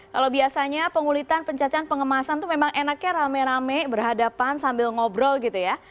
kalau biasanya pengulitan pencacahan pengemasan itu memang enaknya rame rame berhadapan sambil ngobrol gitu ya